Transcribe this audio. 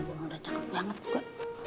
wah udah cakep banget juga